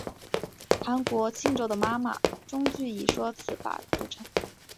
韩国庆州的妈妈钟据说以此法铸成。